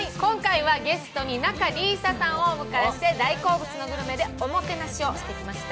今回はゲストに仲里依紗さんをお迎えして大好物のグルメでおもてなしをしてきました。